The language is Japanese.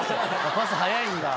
パス速いんだ。